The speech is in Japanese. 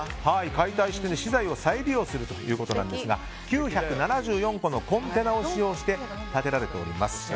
解体して資材を再利用するということなんですが９７４個のコンテナを使用して建てられております。